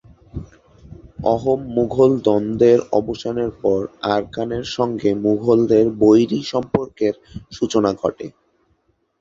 অহোম-মুঘল দ্বন্দ্বের অবসানের পর আরাকানের সঙ্গে মুঘলদের বৈরী সম্পর্কের সূচনা ঘটে।